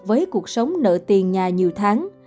với cuộc sống nợ tiền nhà nhiều tháng